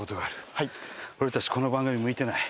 俺たちこの番組向いてない。